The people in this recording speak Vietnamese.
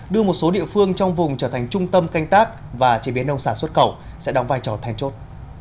đưa một số địa phương trong vùng trở thành trung tâm canh tác và chế biến nông sản xuất khẩu sẽ đóng vai trò then chốt